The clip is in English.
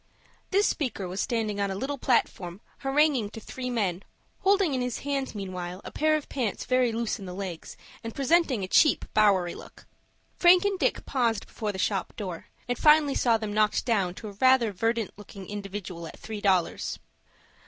This speaker was standing on a little platform haranguing to three men, holding in his hand meanwhile a pair of pants very loose in the legs, and presenting a cheap Bowery look. Frank and Dick paused before the shop door, and finally saw them knocked down to rather a verdant looking individual at three dollars.